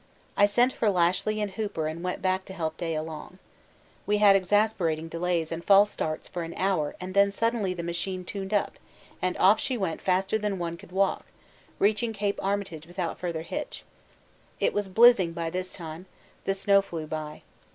I sent for Lashly and Hooper and went back to help Day along. We had exasperating delays and false starts for an hour and then suddenly the machine tuned up, and off she went faster than one could walk, reaching Cape Armitage without further hitch. It was blizzing by this time; the snow flew by.